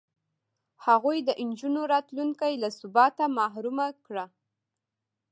هغوی د نجونو راتلونکې له ثباته محرومه کړه.